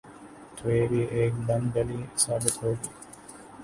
تو یہ بھی ایک بند گلی ثابت ہو گی۔